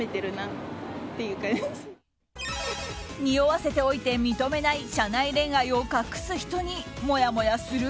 匂わせておいて認めない社内恋愛を隠す人にもやもやする？